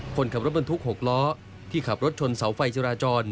คนขับรถบรรทุก๖ล้อที่ขับรถชนเสาไฟจราจร